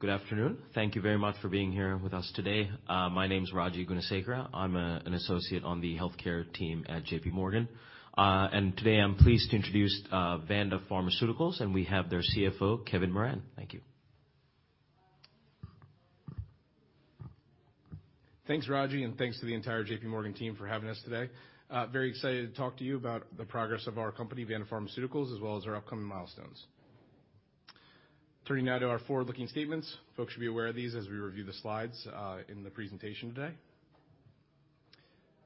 Good afternoon. Thank you very much for being here with us today. My name's Raji Gunasekera. I'm an associate on the healthcare team at JPMorgan. Today I'm pleased to introduce Vanda Pharmaceuticals, and we have their CFO, Kevin Moran. Thank you. Thanks, Raji, thanks to the entire JPMorgan team for having us today. Very excited to talk to you about the progress of our company, Vanda Pharmaceuticals, as well as our upcoming milestones. Turning now to our forward-looking statements. Folks should be aware of these as we review the slides in the presentation today.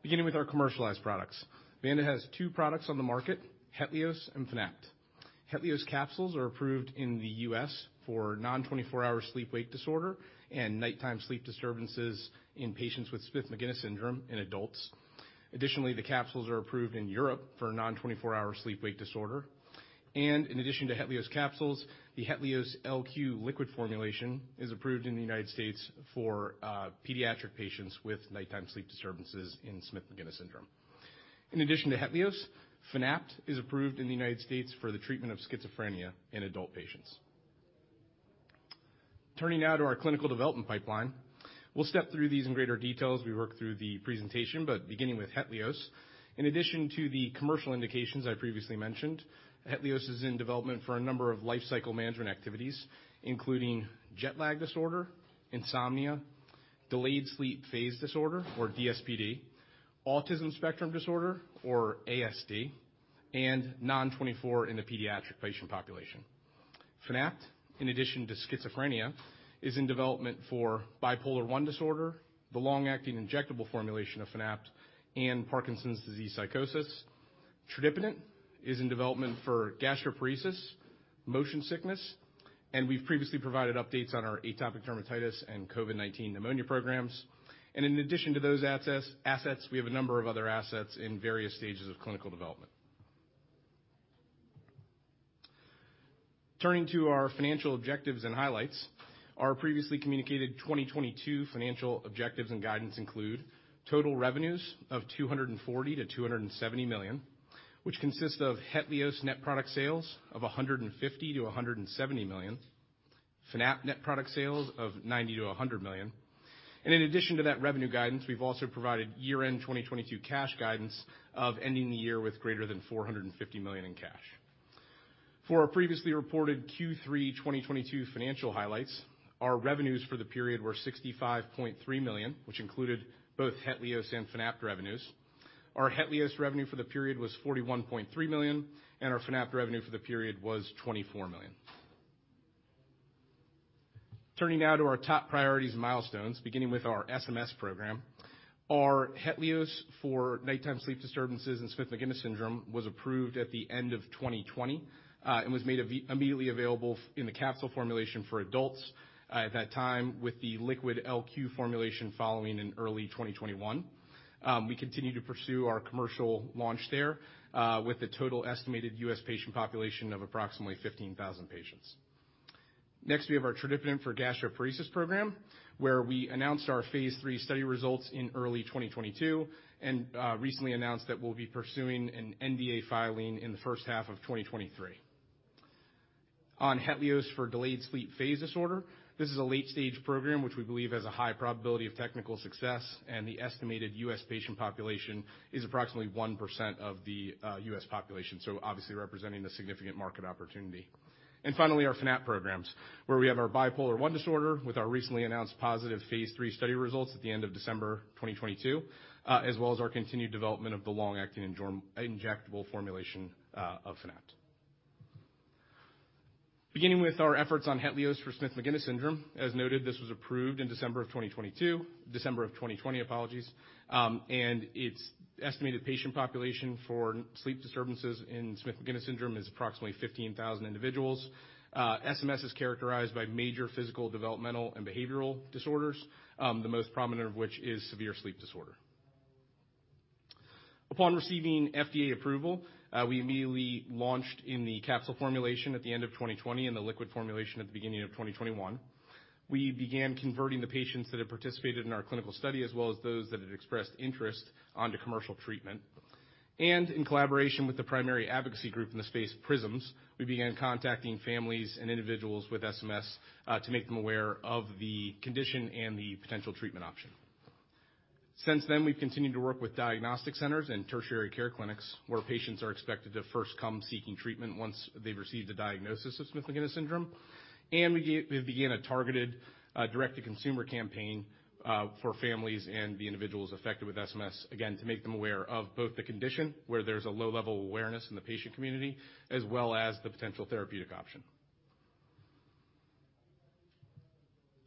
Beginning with our commercialized products. Vanda has two products on the market, HETLIOZ and Fanapt. HETLIOZ capsules are approved in the U.S. for Non-24-Hour Sleep-Wake Disorder and nighttime sleep disturbances in patients with Smith-Magenis Syndrome in adults. Additionally, the capsules are approved in Europe for Non-24-Hour Sleep-Wake Disorder. In addition to HETLIOZ capsules, the HETLIOZ LQ liquid formulation is approved in the United States for pediatric patients with nighttime sleep disturbances in Smith-Magenis Syndrome. In addition to HETLIOZ, Fanapt is approved in the United States for the treatment of schizophrenia in adult patients. Turning now to our clinical development pipeline. We'll step through these in greater detail as we work through the presentation, beginning with HETLIOZ. In addition to the commercial indications I previously mentioned, HETLIOZ is in development for a number of lifecycle management activities, including jet lag disorder, insomnia, delayed sleep phase disorder, or DSPD, autism spectrum disorder, or ASD, and NON24 in the pediatric patient population. Fanapt, in addition to schizophrenia, is in development for bipolar I disorder, the long-acting injectable formulation of Fanapt, and Parkinson's disease psychosis. Tradipitant is in development for gastroparesis, motion sickness, and we've previously provided updates on our atopic dermatitis and COVID-19 pneumonia programs. In addition to those assets, we have a number of other assets in various stages of clinical development. Turning to our financial objectives and highlights. Our previously communicated 2022 financial objectives and guidance include total revenues of $240 million-$270 million, which consist of HETLIOZ net product sales of $150 million-$170 million, Fanapt net product sales of $90 million-$100 million. In addition to that revenue guidance, we've also provided year-end 2022 cash guidance of ending the year with greater than $450 million in cash. For our previously reported Q3 2022 financial highlights, our revenues for the period were $65.3 million, which included both HETLIOZ and Fanapt revenues. Our HETLIOZ revenue for the period was $41.3 million, and our Fanapt revenue for the period was $24 million. Turning now to our top priorities and milestones, beginning with our SMS program. Our HETLIOZ for nighttime sleep disturbances in Smith-Magenis syndrome was approved at the end of 2020 and was made immediately available in the capsule formulation for adults at that time with the liquid LQ formulation following in early 2021. We continue to pursue our commercial launch there with the total estimated US patient population of approximately 15,000 patients. Next, we have our Tradipitant for gastroparesis program, where we announced our phase III study results in early 2022, and recently announced that we'll be pursuing an NDA filing in the first half of 2023. On HETLIOZ for delayed sleep phase disorder, this is a late-stage program which we believe has a high probability of technical success, and the estimated US patient population is approximately 1% of the US population, so obviously representing a significant market opportunity. Finally, our Fanapt programs, where we have our bipolar I disorder with our recently announced positive phase III study results at the end of December 2022, as well as our continued development of the long-acting injectable formulation of Fanapt. Beginning with our efforts on HETLIOZ for Smith-Magenis syndrome. As noted, this was approved in December 2022. December 2020, apologies. Its estimated patient population for sleep disturbances in Smith-Magenis syndrome is approximately 15,000 individuals. SMS is characterized by major physical, developmental, and behavioral disorders, the most prominent of which is severe sleep disorder. Upon receiving FDA approval, we immediately launched in the capsule formulation at the end of 2020 and the liquid formulation at the beginning of 2021. We began converting the patients that had participated in our clinical study, as well as those that had expressed interest onto commercial treatment. In collaboration with the primary advocacy group in the space, PRISMS, we began contacting families and individuals with SMS to make them aware of the condition and the potential treatment option. Since then, we've continued to work with diagnostic centers and tertiary care clinics, where patients are expected to first come seeking treatment once they've received a diagnosis of Smith-Magenis syndrome. We've began a targeted, direct-to-consumer campaign for families and the individuals affected with SMS, again, to make them aware of both the condition, where there's a low level of awareness in the patient community, as well as the potential therapeutic option.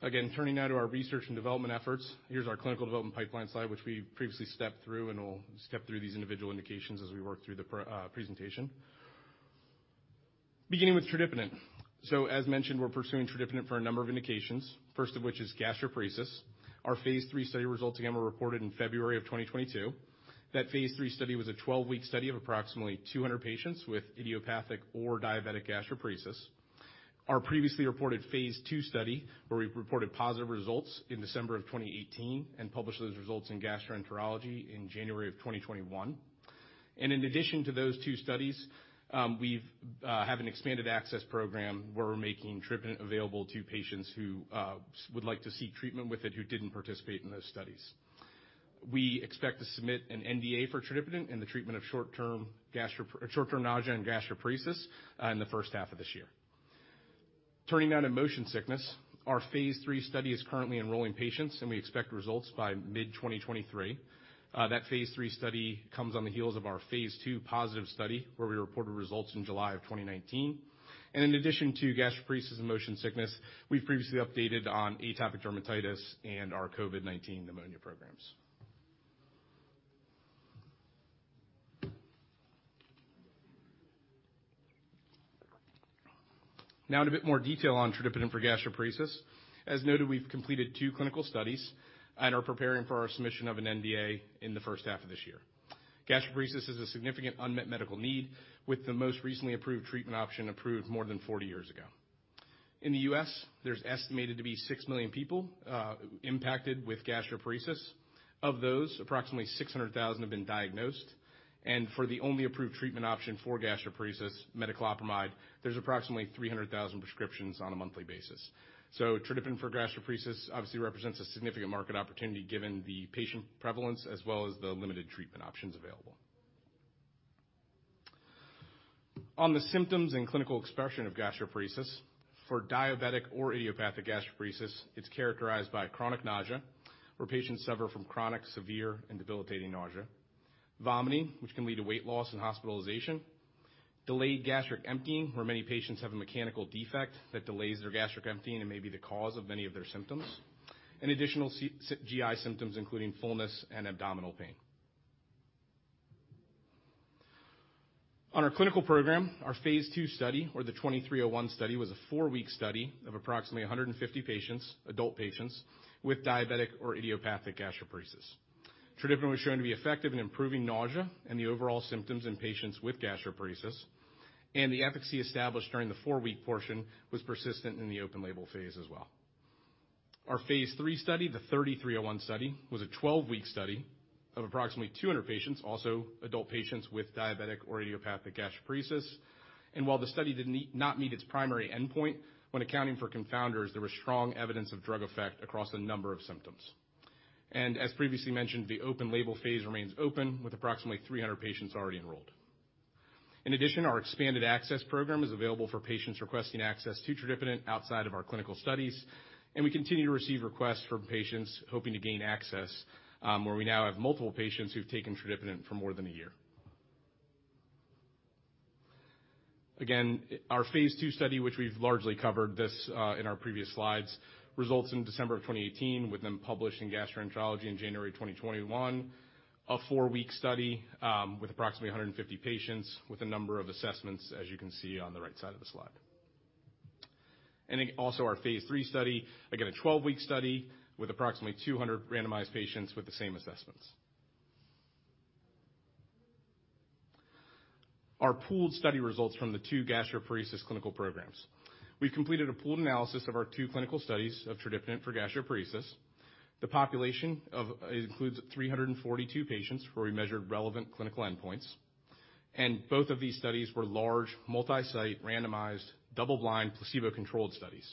Again, turning now to our research and development efforts. Here's our clinical development pipeline slide, which we previously stepped through, we'll step through these individual indications as we work through the presentation. Beginning with Tradipitant. As mentioned, we're pursuing Tradipitant for a number of indications, first of which is gastroparesis. Our phase three study results, again, were reported in February of 2022. That phase three study was a 12-week study of approximately 200 patients with idiopathic or diabetic gastroparesis. Our previously reported phase two study, where we reported positive results in December of 2018 and published those results in Gastroenterology in January of 2021. In addition to those two studies, we've have an expanded access program where we're making Tradipitant available to patients who would like to seek treatment with it who didn't participate in those studies. We expect to submit an NDA for Tradipitant in the treatment of short-term nausea and gastroparesis in the first half of this year. Turning now to motion sickness. Our phase 3 study is currently enrolling patients, and we expect results by mid-2023. That phase 3 study comes on the heels of our phase 2 positive study, where we reported results in July of 2019. In addition to gastroparesis and motion sickness, we've previously updated on atopic dermatitis and our COVID-19 pneumonia programs. Now in a bit more detail on Tradipitant for gastroparesis. As noted, we've completed 2 clinical studies and are preparing for our submission of an NDA in the first half of this year. Gastroparesis is a significant unmet medical need with the most recently approved treatment option approved more than 40 years ago. In the U.S., there's estimated to be 6 million people impacted with gastroparesis. Of those, approximately 600,000 have been diagnosed. For the only approved treatment option for gastroparesis, metoclopramide, there's approximately 300,000 prescriptions on a monthly basis. Tradipitant for gastroparesis obviously represents a significant market opportunity given the patient prevalence as well as the limited treatment options available. On the symptoms and clinical expression of gastroparesis, for diabetic or idiopathic gastroparesis, it's characterized by chronic nausea, where patients suffer from chronic, severe, and debilitating nausea. Vomiting, which can lead to weight loss and hospitalization. Delayed gastric emptying, where many patients have a mechanical defect that delays their gastric emptying and may be the cause of many of their symptoms. Additional GI symptoms, including fullness and abdominal pain. On our clinical program, our Phase II study or the 2301 study, was a 4-week study of approximately 150 patients, adult patients with diabetic or idiopathic gastroparesis. Tradipitant was shown to be effective in improving nausea and the overall symptoms in patients with gastroparesis, and the efficacy established during the 4-week portion was persistent in the open label phase as well. Our Phase III study, the 3301 study, was a 12-week study of approximately 200 patients, also adult patients with diabetic or idiopathic gastroparesis. While the study did not meet its primary endpoint when accounting for confounders, there was strong evidence of drug effect across a number of symptoms. As previously mentioned, the open label phase remains open with approximately 300 patients already enrolled. Our expanded access program is available for patients requesting access to Tradipitant outside of our clinical studies. We continue to receive requests from patients hoping to gain access, where we now have multiple patients who've taken Tradipitant for more than a year. Our phase II study, which we've largely covered this in our previous slides, results in December of 2018 with them published in Gastroenterology in January 2021. A 4-week study, with approximately 150 patients with a number of assessments, as you can see on the right side of the slide. Also our phase III study, again, a 12-week study with approximately 200 randomized patients with the same assessments. Our pooled study results from the 2 gastroparesis clinical programs. We've completed a pooled analysis of our 2 clinical studies of Tradipitant for gastroparesis. The population includes 342 patients where we measured relevant clinical endpoints. Both of these studies were large, multi-site, randomized, double-blind, placebo-controlled studies.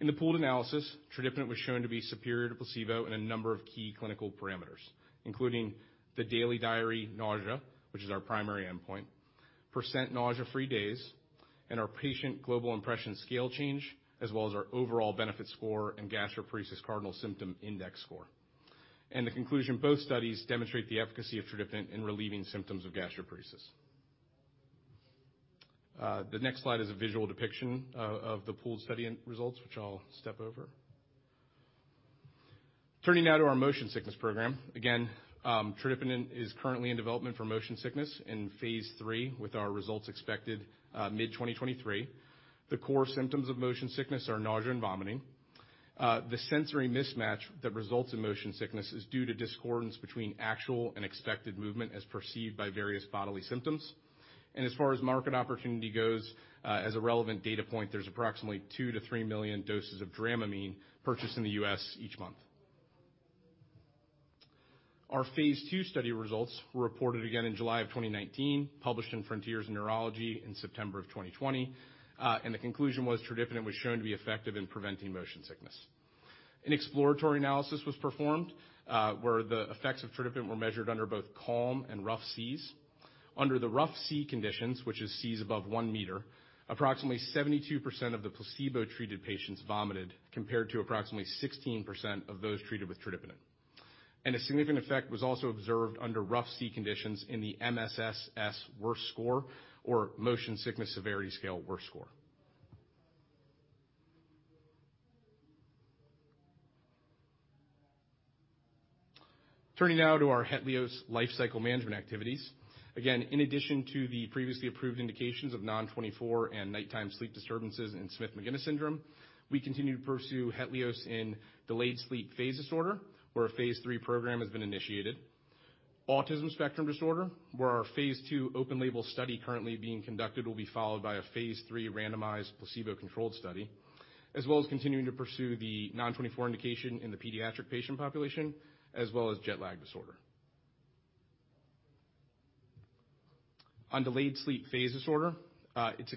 In the pooled analysis, Tradipitant was shown to be superior to placebo in a number of key clinical parameters, including the daily diary nausea, which is our primary endpoint, % nausea-free days, and our patient global impression scale change, as well as our overall benefit score and gastroparesis cardinal symptom index score. The conclusion, both studies demonstrate the efficacy of Tradipitant in relieving symptoms of gastroparesis. The next slide is a visual depiction of the pooled study results, which I'll step over. Turning now to our motion sickness program. Again, Tradipitant is currently in development for motion sickness in phase 3, with our results expected mid-2023. The core symptoms of motion sickness are nausea and vomiting. The sensory mismatch that results in motion sickness is due to discordance between actual and expected movement as perceived by various bodily symptoms. As far as market opportunity goes, as a relevant data point, there's approximately 2-3 million doses of Dramamine purchased in the U.S. each month. Our Phase II study results were reported again in July of 2019, published in Frontiers in Neurology in September of 2020. The conclusion was Tradipitant was shown to be effective in preventing motion sickness. An exploratory analysis was performed, where the effects of Tradipitant were measured under both calm and rough seas. Under the rough sea conditions, which is seas above 1 meter, approximately 72% of the placebo-treated patients vomited, compared to approximately 16% of those treated with Tradipitant. A significant effect was also observed under rough sea conditions in the MSSS worst score, or Motion Sickness Severity Scale worst score. Turning now to our HETLIOZ lifecycle management activities. Again, in addition to the previously approved indications of NON24 and nighttime sleep disturbances in Smith-Magenis syndrome, we continue to pursue HETLIOZ in delayed sleep phase disorder, where a Phase 3 program has been initiated. Autism spectrum disorder, where our Phase 2 open label study currently being conducted will be followed by a Phase 3 randomized placebo-controlled study, as well as continuing to pursue the NON24 indication in the pediatric patient population, as well as jet lag disorder. On delayed sleep phase disorder, it's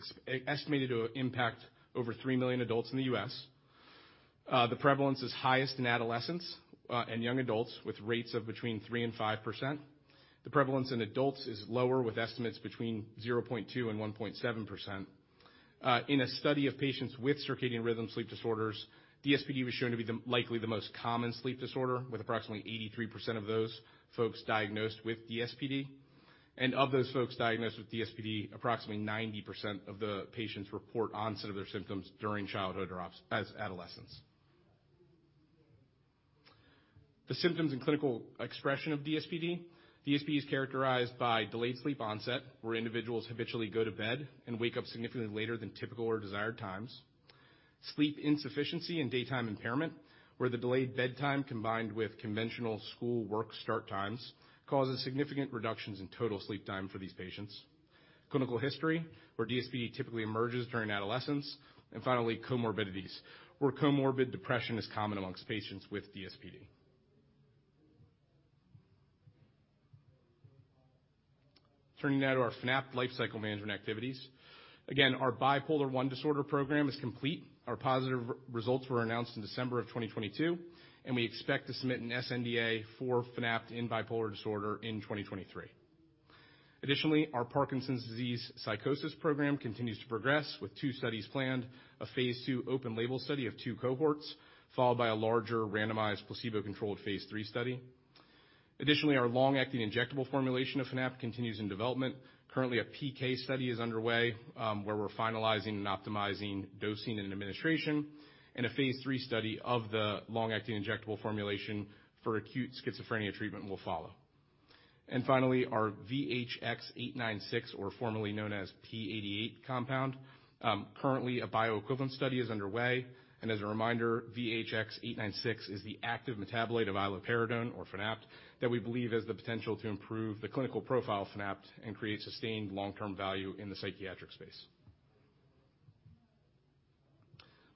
estimated to impact over 3 million adults in the U.S. The prevalence is highest in adolescents, and young adults, with rates of between 3 and 5%. The prevalence in adults is lower, with estimates between 0.2% and 1.7%. In a study of patients with circadian rhythm sleep disorders, DSPD was shown to be likely the most common sleep disorder, with approximately 83% of those folks diagnosed with DSPD. Of those folks diagnosed with DSPD, approximately 90% of the patients report onset of their symptoms during childhood or as adolescence. The symptoms and clinical expression of DSPD. DSPD is characterized by delayed sleep onset, where individuals habitually go to bed and wake up significantly later than typical or desired times. Sleep insufficiency and daytime impairment, where the delayed bedtime, combined with conventional school work start times, causes significant reductions in total sleep time for these patients. Clinical history, where DSPD typically emerges during adolescence. Finally, comorbidities, where comorbid depression is common amongst patients with DSPD. Turning now to our Fanapt life cycle management activities. Again, our bipolar I disorder program is complete. Our positive results were announced in December of 2022. We expect to submit an sNDA for Fanapt in bipolar disorder in 2023. Additionally, our Parkinson's disease psychosis program continues to progress with two studies planned, a phase II open label study of two cohorts, followed by a larger randomized placebo-controlled phase III study. Additionally, our long-acting injectable formulation of Fanapt continues in development. Currently, a PK study is underway, where we're finalizing and optimizing dosing and administration. A phase III study of the long-acting injectable formulation for acute schizophrenia treatment will follow. Finally, our VHX-896 or formerly known as P-88 compound. Currently a bioequivalent study is underway, and as a reminder, VHX-896 is the active metabolite of iloperidone or Fanapt that we believe has the potential to improve the clinical profile of Fanapt and create sustained long-term value in the psychiatric space.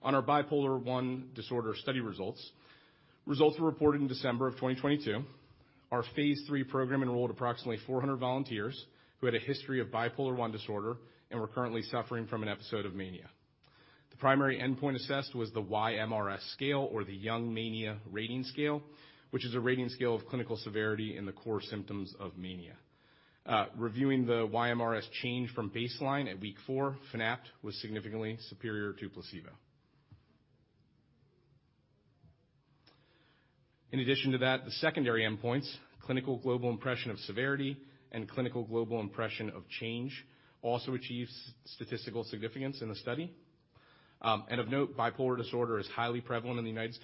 On our bipolar I disorder study results. Results were reported in December of 2022. Our phase III program enrolled approximately 400 volunteers who had a history of bipolar I disorder and were currently suffering from an episode of mania. The primary endpoint assessed was the YMRS scale, or the Young Mania Rating Scale, which is a rating scale of clinical severity in the core symptoms of mania. Reviewing the YMRS change from baseline at week four, Fanapt was significantly superior to placebo. In addition to that, the secondary endpoints, clinical global impression of severity and clinical global impression of change, also achieved statistical significance in the study. Of note, bipolar disorder is highly prevalent in the U.S.,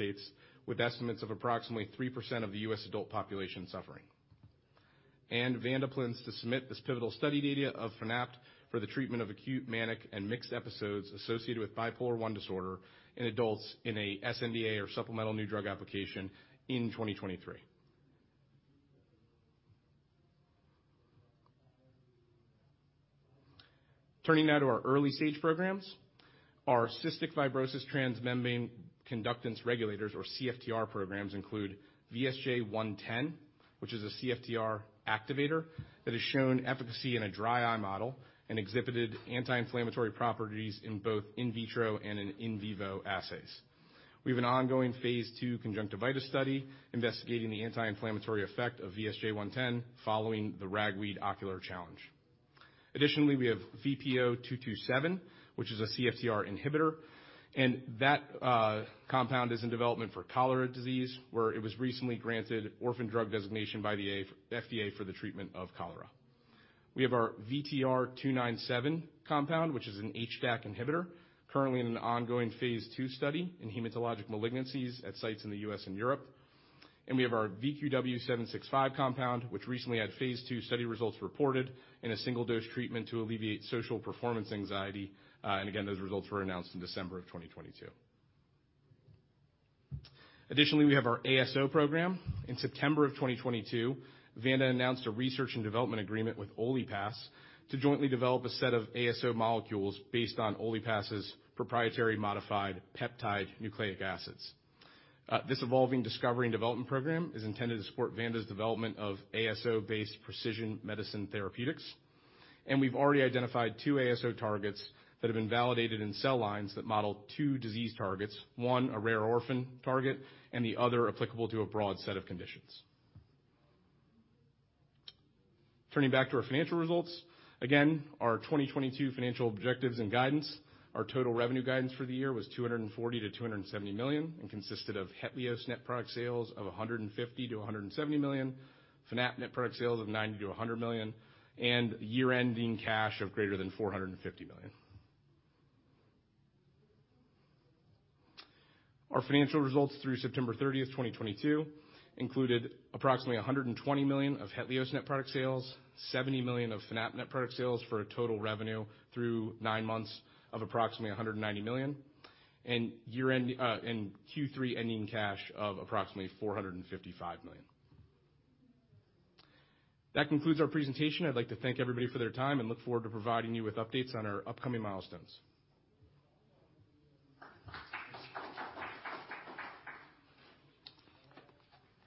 with estimates of approximately 3% of the U.S. adult population suffering. Vanda plans to submit this pivotal study data of Fanapt for the treatment of acute manic and mixed episodes associated with bipolar I disorder in adults in a sNDA or supplemental new drug application in 2023. Turning now to our early stage programs. Our cystic fibrosis transmembrane conductance regulators or CFTR programs include VSJ-110, which is a CFTR activator that has shown efficacy in a dry eye model and exhibited anti-inflammatory properties in both in vitro and in vivo assays. We have an ongoing phase II conjunctivitis study investigating the anti-inflammatory effect of VSJ-110 following the ragweed ocular challenge. We have VPO-227, which is a CFTR inhibitor, and that compound is in development for cholera disease, where it was recently granted orphan drug designation by the FDA for the treatment of cholera. We have our VTR-297 compound, which is an HDAC inhibitor, currently in an ongoing phase II study in hematologic malignancies at sites in the US and Europe. We have our VQW-765 compound, which recently had phase II study results reported in a single dose treatment to alleviate social performance anxiety. Again, those results were announced in December of 2022. We have our ASO program. In September of 2022, Vanda announced a research and development agreement with OliPass to jointly develop a set of ASO molecules based on OliPass' proprietary modified peptide nucleic acids. This evolving discovery and development program is intended to support Vanda's development of ASO-based precision medicine therapeutics. We've already identified two ASO targets that have been validated in cell lines that model two disease targets, one a rare orphan target, and the other applicable to a broad set of conditions. Turning back to our financial results. Again, our 2022 financial objectives and guidance. Our total revenue guidance for the year was $240 million-$270 million and consisted of HETLIOZ net product sales of $150 million-$170 million, Fanapt net product sales of $90 million-$100 million, and year-ending cash of greater than $450 million. Our financial results through September 30, 2022 included approximately $120 million of HETLIOZ net product sales, $70 million of Fanapt net product sales, for a total revenue through nine months of approximately $190 million, and Q3 ending cash of approximately $455 million. That concludes our presentation. I'd like to thank everybody for their time and look forward to providing you with updates on our upcoming milestones.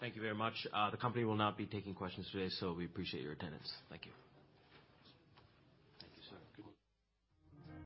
Thank you very much. The company will not be taking questions today. We appreciate your attendance. Thank you. Thank you, sir. Good one